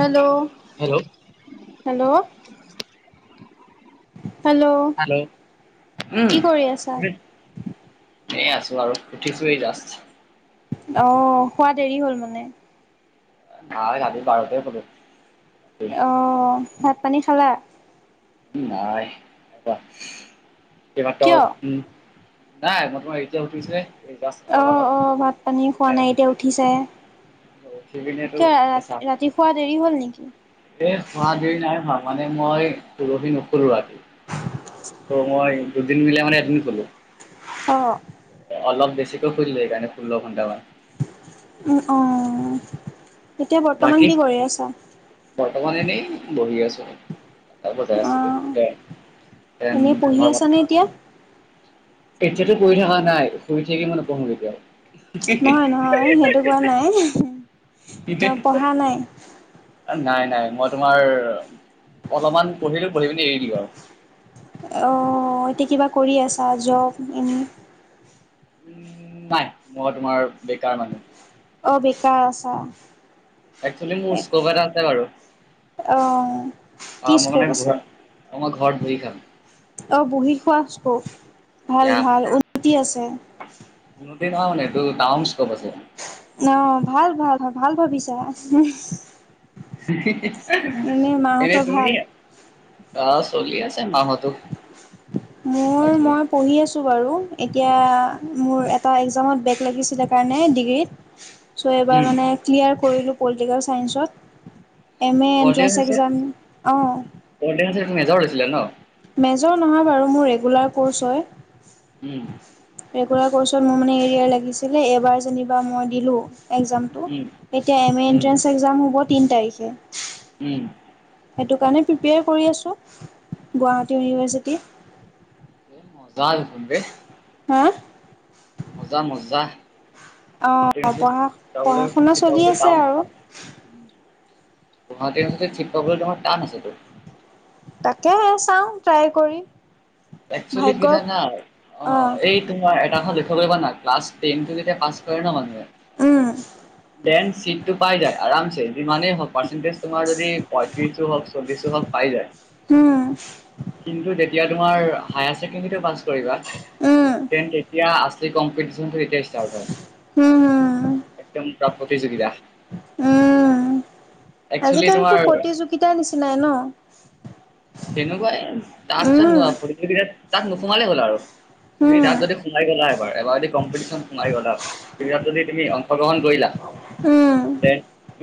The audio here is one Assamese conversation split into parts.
Hello hello hello hello hello উম। কি কৰি আছা? এ আছো আৰু উঠিছোই জাষ্ট। অ খোৱা দেৰি হ'ল মানে [unintelligible] আহ ভাত পানী খালা? নাইমাকটা কিয়? উ নাই ম [unintelligible] তোমাৰ এতিয়া উঠিছোঁ হে এই অলপ অ' আগত। অ' ভাত পানী খোৱা নাই এতিয়া উঠিছাহে। পিনেতো কিয় ৰা ৰাতি শোৱা দেৰি হল নেকি? এই খোৱা দেৰি নাই হোৱা মানে মই পৰহী নুশুলো ৰাতি। ত মই দুদিন মিলাই মানে এডমিট হলো অ অলপ বেছিকৈ ফুৰিলে সেইকাৰণে ষোল্ল ঘটামান অ এতিয়া বাকী বৰ্তমান কি কৰি আছা? [unintelligible] এনেই বহি আছোঁ তাৰ বজাই আছিলো অ' দেন দেন এনেই পঢ়ি তোমাৰ আছানে এতিয়া? এতিয়াতো কৰি থকা নাই শুই থাকি মই নপঢ়ো নহয় নহয় সেইটো কোৱা নাই। এতিয়াও ন' পঢ়া নাই। [unintelligible] নাই নাই। নাই মই তোমাৰ অলপমান পঢ়িলো পঢ়ি পিনি এৰি দিওঁ আৰু অ এতিয়া কিবা কৰি আছা জব এনেই উম নাই মই তোমাৰ বেকাৰ মানুহ অ', বিক আছা একছোৱেলি মোৰ স্কপ এটা আছে বাৰু অ কি মই স্কোপ মানে আছে? তোমাৰ ঘৰত বহি খাম অ বহি খোৱা ভাল ইয়া ভাল উন্নতি আছে [unintelligible] আছে অ ভাল ভাল ভ ভাল ভাবিছা এনে এনেই মাহঁতৰ তুমি ভাল। অ', চলি আছ মোৰ বাকী মই পঢ়ি আছো বাৰু। এতিয়া মোৰ এটা এক্জামত ব্ৰেক লাগিছিলে কাৰণে ডিগ্ৰীত ছ' এইবাৰ উম মানে ক্লিয়াৰ কৰিলোঁ পলিটিকেল চাইন্সত M A entrance coordination exam অঁ কৰ্ডিনেচন মেজৰ লৈছিলে ন মেজৰ নহয় বাৰু মোৰ ৰেগুলাৰ ক'ৰ্ছ হয় উম। ৰেগুলাৰ ক'ৰ্ছত মোৰ মানে হৰিয়াৰ লাগিছিলে এইবাৰ যেনিবা মই দিলোঁ এক্জামটো উম এতিয়া এম এ উম এণ্ট্ৰেঞ্চ এক্জাম হ'ব তিনি তাৰিখে উম সেইটো কাৰণে প্ৰিপেয়াৰ কৰি আছোঁ গুৱাহাটী ইউনিভাৰ্চিটি [unintelligible] হা মজা মজা [unintelligible] অ পঢ়া পঢ়া তহতে শুনা চলি আছে আৰু চিপকাবলৈ তোমাৰ টান আছে তো তাকেহে চাওঁ ট্ৰাই কৰি। একচেলি ভাগ্য কি যানা অ', এই তোমাৰ এটা এখন দেখিব পিবা না [unintelligible] পাছ কৰে ন মানুহে উম টেন চিটটো পাই যায় আৰামছে যিমানেই হল পাৰ্চেন্টেজ তোমাৰ যদি পয়ত্ৰিশো হল চল্লিশ হল পাই যায়। উম কিন্তু তেতিয়া। তোমাৰ হায়াৰ ছেকেণ্ডাৰীটো পাছ কৰিবা উম তেন্তে এতিয়া আছিলি কম্পিটিশ্যন। কিন্তু এতিয়া ষ্টাৰ্ট হয় উম উম একদম পুৰা প্ৰতিযোগিতা। উম একচুৱেলি আজিকালিতো তোমাৰ প্ৰতিযোগিতাৰ নিচিনাই ন। তেনেকুৱাই তাৰ পিছত উম নো আও প্ৰতিযোগিতাত তাত নোসোমালেই হ'ল আৰু। তুমি উম তাত যদি সোমাই গ'লা এবাৰ এবাৰ যদি কম্পিটিশ্যন সোমাই গ'লা প্ৰতিযোগিতাতো যদি তুমি অংশগ্ৰহণ কৰিলা। উম। ডেন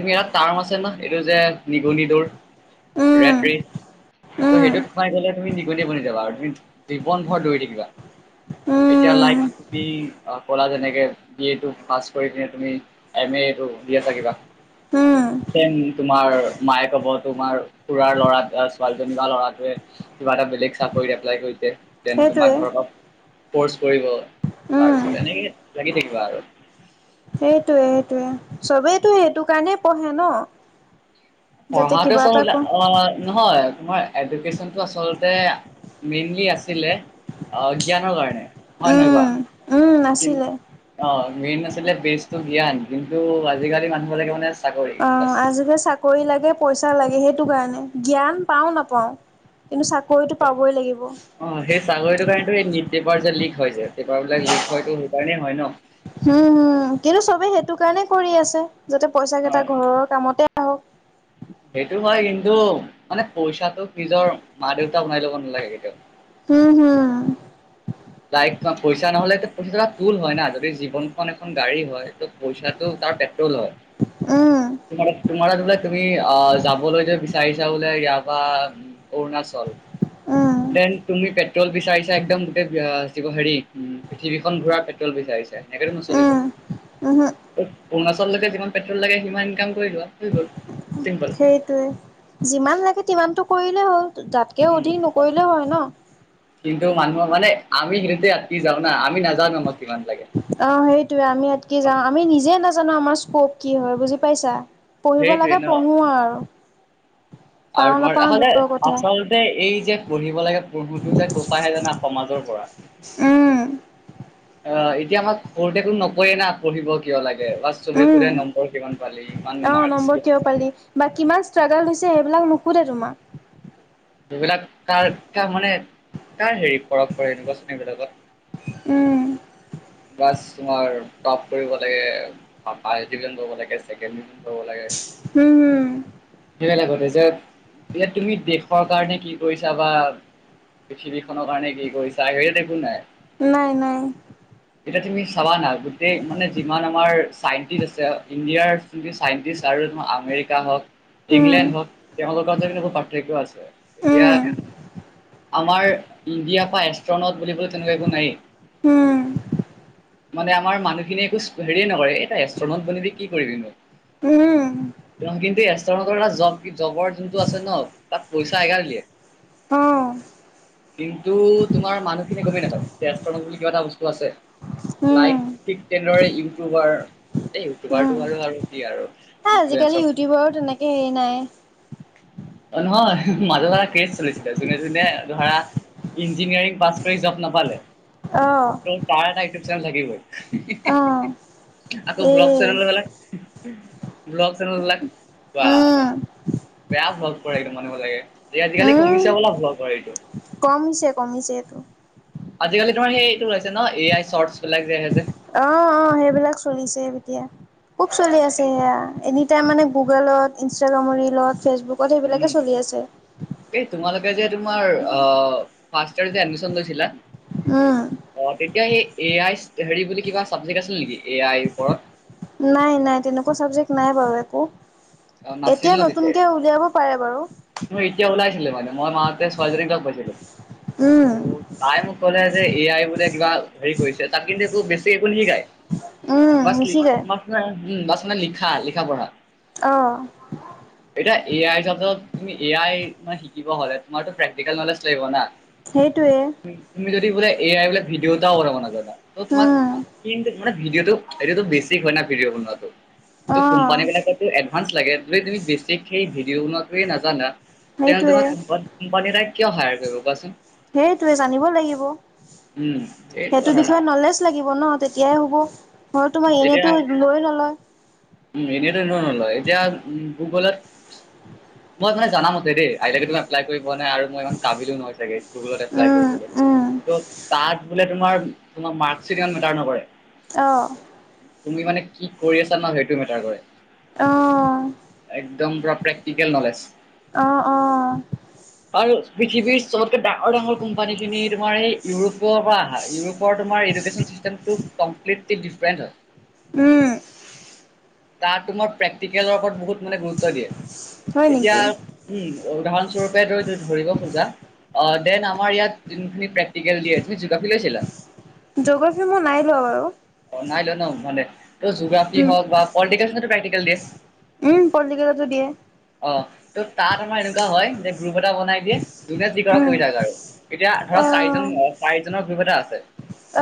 তুমি আ', টাৰ্ম আছে ন এইটো যে নিগনি দৌৰ ৰেট উম ৰি ত উম সেইটোত সোমাই গল তুমি নিগনীয়া বনি যাবা আৰু তুমি জীৱন ঘৰ দৌৰি থাকিবা। এতিয়া উম উম লাইকলি অহ কলা যেনেকে বি এটো পাছ কৰি কিনে তুমি এম এ। সেইটো দিয়ে থাকিবা। যেন তোমাৰ মায়ে ক'ব তোমাৰ খুৰাৰ ল'ৰা আ', ছোৱালীজনী বা ল'ৰাটোৱে কিবা এটা বেলেগ চাকৰিত এপ্লাই কৰিছে তেন সেইটোৱে তোমাকৰ ধৰক। ক'ৰ্চ কৰিব উম তাৰপিছত এনেকৈ লাগি থাকিব আৰু। সেইটোৱে-সেইটোৱে চবেইতো সেইটো কাৰণেই পঢ়ে ন। যাতে পঢ়াটো কিবা চ এটা ক অ' নহয় তোমাৰ। এডুকেশ্যনটো আচলতে মেইনলি আছিলে। অ' জ্ঞানৰ কাৰণে হয় নে উম, নহয় উম, কোৱা? নাছিলে। অ' মেইন আছিলে বেজটো জ্ঞান কিন্তু আজিকালি মানুহবিলাকে মানে, চাকৰি অহ বাচ আজিকে চাকৰি লাগে। পইচা লাগে সেইটো কাৰণে জ্ঞান পাওঁ নাপাওঁ কিন্তু চাকৰিটো পাবই লাগিব। অ' সেই ছাকৰিটো কাৰণটো এই নিট পেপাৰ যে লিক হয় যে পেপাৰ বিলাক লিক হয়তো সেইকাৰণেই হয় ন। হম-হম, কিন্তু চবেই সেইটো কাৰণে কৰি আছে যাতে পইচা কেইটা হয় ঘৰৰ কামতে অহ। সেইটো হয় কিন্তু মানে পইচাটোক নিজৰ মা দেউতা বনাই লব নালাগে কেতিয়াও। হম-হম, লাইক তোমাৰ পইচা নহলেতো পইচা কোল হয় না যদি জীৱনখন এখন গাড়ী হয় ত পইচাটো। তাৰ প্ৰেট্ৰল হয়, উম, তোমালোক তোমাৰ মানে তুমি অ' যাবলৈ যে বিচাৰিছা বোলে ইয়াৰ পৰা অৰুণাচল। উম, তেন তুমি পেট্ৰ'ল বিচাৰিছা একদম গোটেই। অহ জীৱ হেৰি উম পৃথিৱীখন ঘূৰা পেট্ৰল বিচাৰিছে হৈছে সেনেকেতো নচলি। উম, উহো, অৰুণাচললৈকে যিমান পেট্ৰল লাগে সিমান ইনকাম কৰি লোৱা হৈ গল। চিম্পল। সেইটোৱে যিমান লাগে টিমানতটো কৰিলেই হ'ল। তাতকে অধিক নকৰিলে হয় ন। কিন্তু মানুহৰ মানে আমি সেইতে অতকি যাও না আমি নাযাও আমাক কিমান লাগে। অহ সেইটোয়ে আমি ইয়াত কি যাওঁ আমি নিজে নাজানো আমাৰ স্কোপ কি হয় বুজি পাইছা। পঢ়িব সেইটোৱে লাগে ন পঢ়ো আৰু। আৰু পাওঁ নাপাওঁ তোমাৰ দূৰৰ কথা। আচলতে এই যে পঢ়িব লাগে। বহুতো যে কৰ পা আহে জানা সমাজৰ পৰা উম, অহ এতিয়া আমাক সৰুতেতো নকয় না পঢ়িব কিয় লাগে। বা চবে হুধে নম্বৰ কিমান পালে ইমান অ' মাৰ্ক নম্বৰ কিমান কিয় পালি? বা কিমান ষ্ট্ৰাগল হৈছে সেইবিলাক নুখোধে তোমাক। এইবিলাক কাৰ ত মানে কাৰ হেৰি ফৰক পৰে এনেকুৱা চ বিলাকত। উম, বাছ তোমাৰ টপ কৰিব লাগে ফাৰ্ষ্ট ডিভিজন কৰিব লাগে ছেকেণ্ড ডিভিজন কৰিব লাগে। হম-হম, সেইবলেগতে যে ইয়াত তুমি দেশৰ কাৰণে কি কৰিছা বা? পৃথিৱীখনৰ কাৰণে কি কৰিছা আ হেৰিত একো নাই। নাই নাই। এতিয়া তুমি চাবা না গোটেই মানে যিমান আমাৰ চাইণ্টিষ্ট আছে ইণ্ডিয়াৰ যোনটো চাইন্টিষ্ট। আৰু তোমাৰ আমেৰিকা হওঁক। উম, ইংলেণ্ড হওক তেওঁলোক যদি পাৰ্থক্য আছে এতিয়া। উম, আমাৰ ইণ্ডিয়া পৰা এষ্ট্ৰনট বুলিবলৈ তেনেকুৱা একো নায়েই। [inaudible] মানে আমাৰ মানুহখিনিয়ে একো হেৰিে নকৰে এটা এষ্ট্ৰনট বনিবি কি উম, কৰিবিনো। কিন্তু এষ্ট্ৰনড এটা জ জবৰ যোনটো আছে ন তাত পইচা এগল দিয়ে। অ'। কিন্তু তোমাৰ মানুহখিনি গমে নাপায় তেষ্টৰত বুলি কিবা এটা বস্তু আছে। উম, লাইক ঠিক তেনেদৰে ইউটিউবাৰ এ ইউটিউবাৰটো ভালো আৰু কি আৰু। হা আজিকালি ইনফ্লুৱেঞ্চৰ ইউটিউবৰো তেনেকে হেৰি নাই। অ', নহয় মাজত এটা কেছ চলিছিলে যোনে যোনে ধৰা ইঞ্জিনিয়াৰিং পাছ কৰি জব নাপালে। অ', ত তাৰ এটা উটোপ চেনেল থাকি বয়। অ', আকৌ ব্লগ এই চেনেলব লাক ব্লগ চেনেল লাক বা, উম, বেয়া ভ কৰে মানিব লাগে যে আজিকালি উম, কমিছে বোলা ভাল [unintelligible] এইটো কমিছে কমিছে এইটো। আজিকালি তোমাৰ সেই এইটো ৰৈছে ন', এ আই চৰ্টছ বিলাক যে আহে যে। অহ-অহ, সেইবিলাক চলিছে এতিয়া খুব চলি আছে সেয়া এনি টাইম মানে গুগলত ইনষ্টাগ্ৰামৰ ৰিলত। ফেচবুকত সেইবিলাকে চলি আছে। এই তোমালোকে যে তোমাৰ ফাষ্ট ইয়েৰ যে এডমিশন লৈছিলা হম। অ', তেতিয়া সেই এ আই হেৰি বুলি কিবা চাবজেক্ট আছিল নেকি এ আইৰ ওপৰত। নাই নাই তেনেকুৱা চাব্জেকট নাই বাৰু একো। অ নাছিল এতিয়া ন তেতিয়া নতুনকে উলিয়াব পাৰে বাৰু। মোৰ এতিয়া ওলাইছিলে মানে মই মাহতে ছোৱালীক লগ পাইছিলো উম। তাই মোক ক'লে যে এ আই বোলে কিবা হেৰি কৰিছে তাত কিন্তু একো বেছি একো নিশিকাই। উম, বা নিশিকায়, ম মে উম বা মানে লিখা লিখা পঢ়া অ'। এতিয়া এ আই চ তুমি এ আই শিকিব হলে তোমাৰতো প্ৰেক্টিকেল নলেজ লাগিব না। সেইটোৱে, তুমি যদি বোলে এ আই বোলে ভিডিঅ' দও কৰিব নাজানা ত তোমাক উম। মানে ভিডিঅ'টোটো বেচিক হয় না ভিডিঅ' বনোৱাটো, ত' অ', কোম্পানি ভান লাগে যদি তুমি বেছিক সেই ভিডিঅ বনোৱাটোৱে নাজানা তেনে সেইটোৱে, তোমাৰ কোম্পানী তাই কিয় হায়াৰ কৰিব কোৱাচোন। সেইটোৱে জানিব লাগিব উম সেইটো কথা না বিষয়ে নলেজ লাগিব ন' তেতিয়াহে হ'ব। ম তোমাৰ এতিয়া এনেইতো লৈ নলয়। উম এনেটো নলয় এতিয়া উ গুগলৰ মই মানে জানা মতে দেই আইকে তুম এপ্লাই কৰিব পোৱা নাই আৰু মই ইমান কাবিলো নহয় চাগ গুগলত এপলাই কৰিব। উম, ত তাত বোলে তোমাৰ তাৰ মাক্স ইমান মেটাৰ নকৰে। আহ। তুমি মানে কি কৰি আছা না সেই অ', অ'। একদম পুৰা প্ৰেক্টিকেল নলেজ। অ', অ', আৰু পৃথিৱীৰ চবতকে ডাঙৰ-ডাঙৰ কোম্পানী খিনি তোমাৰ এই ইউৰোপৰ পৰা আহা ইউৰোপৰ তোমাৰ তোমাৰ এডুকেশ্বন চিষ্টেম টো কপ্লেটলি ডিফাৰেণ্ট হয়। উম, তাতো মই প্ৰেক্টিকেলৰ ওপৰত বহুত মানে গুৰুত্ব দিয়ে হয় এতিয়া নেকি? উম, উদাহৰণস্বৰূপে ধ ধৰিব খোজা অ', দেন আাৰ ইয়াত যোনখিনি প্ৰেক্টিকেল দি তমি জ'গ্ৰাফি লৈছিলা। জ'গ্ৰাফী মই নাই লোৱা বাৰু। জিঅ'গ্ৰাফি উম, হওঁক বা পলিটিকেল [unintelligible] প্ৰেকটিকেল উম পলিটিকেলটো দিয়ে। মাৰ এনেকুৱা হয় যে গ্ৰুপ এটা বনাই দিয়ে যোনে যি কৰা উম, কৰি থাক আৰু। এতিয়া ধৰা চাৰিজন অ', চাৰিজনৰ বিভা আছে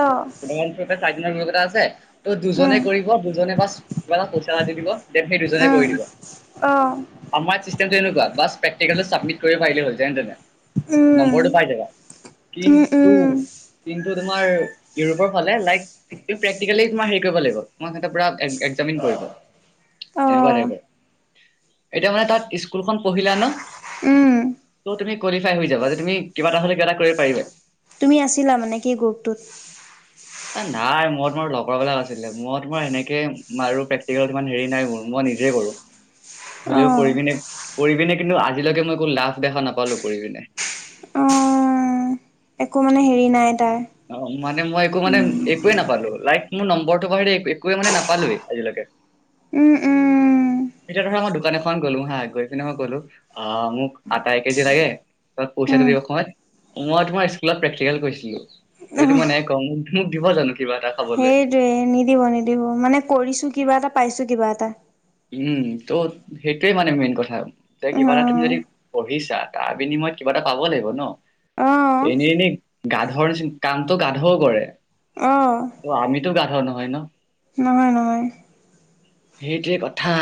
অ' উদাহৰণস্বৰূপে চাৰিদিনৰ বিতৰট আছে, ত' দুজনে উম, কৰিব দুজনে বাছ। কিবা এটা পইচা এটা দি দিব দেন সেই দুজনে কৰি দিব। অঁহ। চব তেনেকুৱা, বছ প্ৰেক্টিকেল টো চাবমিট কৰিব পাৰিলে হৈ যায়, উম, নম্বৰটো পাইযাবা উম, কিন্তু, উম, কিন্তু তোমাৰ ইউৰোপৰ ফালে লাইক, প্ৰেক্টিকেলি তোমাৰ হেৰি কৰিব লাগিব। তোমাৰ সতে পোৰা, চাবমিট কৰিব, এনেকুৱা অ', টাইপৰ এতিয়া মানে তাত স্কুলখন পঢ়িলা ন। উম। ত' তুমি কোৱালিফাই হৈ যাবা যে, তুমি কিবা এটা হ'লে কিবা এটা কৰিব পাৰিবা এ। তুমি আছিলা মানে কি গ্ৰুপটোত। নাই, মই তোমাৰ লগৰবিলাক আছিলে। মই তোমাৰ এনেকে। আৰু প্ৰেক্টিকেল ইমান হেৰি নাই হোৱা। মই নিজেই কৰো হলেও অ', কৰিকিনে, কৰিপিনে কিন্তু আজিলৈকে মই একো লাভ দেখা নাপালো কৰিপিনে। অ, একো মানে হেৰি নাই। তাৰ, অ মানে মই একো মানে উম, একোৱেই নাপালো, লাইক মোৰ নম্বৰটো বাহিৰে একোৱে মানে নাপালোৱেই আজিলৈকে। উম, উম। এতিয়া ধৰা মই দোকান এখন গলো হা গৈ পিনে, মই কলো আহ মোক আটা এক কেজি লাগে। তোমাক পইচাটো উম। দিব সময়ত, মই তোমাৰ স্কুলত প্ৰেক্টিকেল কৰিছিলো। যদি মই নাই কওঁ মোক দিব জানো কিবা এটা। খাবলৈ সেইটোৱে নিদিব নিদিব। মানে কৰিছো কিবা এটা পাইছো কিবা এটা। উম ত' সেইটোয়ে মানে মেইন কথা যে কিবা এটা তুমি অ'। যদি পঢ়িছা তাৰ বিনিময়ত কিবা এটা কিবা এটা পাব লাগিব ন, অ', এনেই এনেই গাধৰ নিচি, কামটো গাধও কৰে। অ', আমিতো গাধ নহয় ন'। নহয় নহয়। সেইটোৱে কথ থা,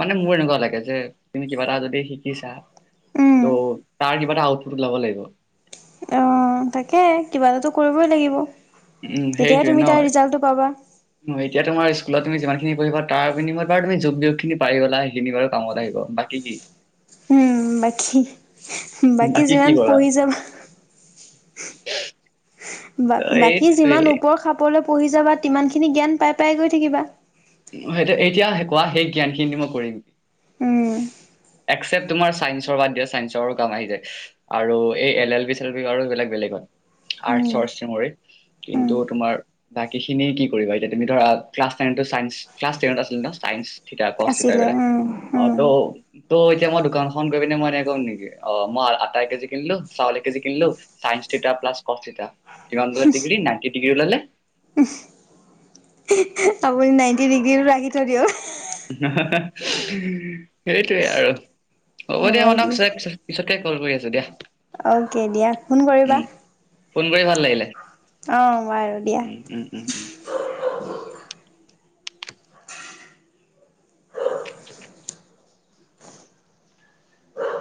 মানে মোৰ এনেকুৱা লাগে যে তুমি কিবা এটা যদি শিকিছা। উম। ত' তাৰ কিবা এটা আউটপুট ওলাব লাগিব। অ' তাকে কিবা এটাতো কৰিবই লাগিব। উম, তেতিয়াহে সেইটোয়ে তুমি তাৰ নহ, ৰিজাল্টটো পাবা। এতিয়া তোমাৰ স্কুলত তুমি যিমান পঢ়িবা তাৰ বিনিময়ত বাৰু তুমি যোগ বিয়োগ খিনি পাৰি গলা সেইখিনি বাৰু কামত আহিব। বাকী কি? উম, বাকী বাকী কি যিমান কৰা পঢ়ি যাবা। বা বাকী এইটোৱে যিমান ওপৰ খাপলৈ পঢ়ি যাবা, তিমানখিনি জ্ঞান পাই পাই গৈ থাকিবা। সেইটো, এতিয়া কোৱা সেই জ্ঞান খিনিটো মই কৰিম। উম। একচেপট তোমাৰ চাইন্সৰ বাদ দিয়া, চাইন্সৰো কাম আহি যায়। আৰু এই এল এল বি, চেল এল বি আৰু এইবিলাক। বেলেগ হয় উম, আৰ্টছ ষ্ট্ৰেমৰে। উম, কিন্তু তোমাৰ বাকীখিনি কি কৰিবা? এতিয়া তুমিটো ক্লাছ টেনটো চাই ক্লাছ তেনত আছিল ন, চাইন্স থিটা, কোচ থিটা আছিলে এইবিলাক। উম, উম। [unintelligible] ত' এতিয়া মই দোকানখন গৈ পিনে মই এনেকে কম নেকি অ' মই আটা এক কেজি কিনিলো চাউল এক কেজি কিনিলো। Sine theta plus cos theta, কিমান ডিগ্ৰী নাইনটি ডিগ্ৰী ওলালে। আপুনি নাইনটি ডিগ্ৰীটো ৰাখি থৈ দিয়ক। [unintelligible] হে-হে, সেইটোৱে আৰু হ'ব দিয়া শুনক পিছে-পিছে পিছত [unintelligible] কল কৰি আছোঁ দিয়া। অকে দিয়া ফোন কৰিবা। উম ফোন কৰি ভাল লাগিলে। অ' বাৰু দিয়া। উম উম উম উম